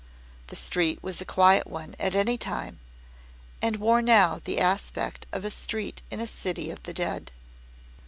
The street was a quiet one at any time, and wore now the aspect of a street in a city of the dead.